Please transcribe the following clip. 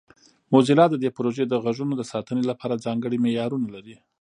موزیلا د دې پروژې د غږونو د ساتنې لپاره ځانګړي معیارونه لري.